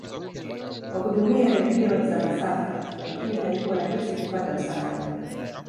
kwa kutumia radio za masafa lakini haikuwa rahisi kupata msaada